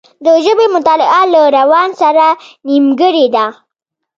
د ژبې مطالعه له روان سره نېمګړې ده